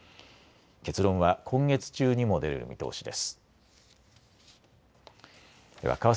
結論は今月中にも出る見通しです。